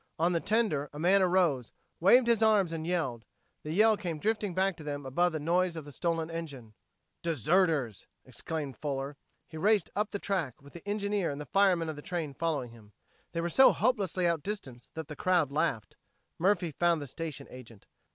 On the tender, a man arose, waved his arms and yelled. The yell came drifting back to them above the noise of the stolen engine. "Deserters!" exclaimed Fuller. He raced up the track, with the engineer and the fireman of the train following him. They were so hopelessly outdistanced that the crowd laughed. Murphy found the station agent.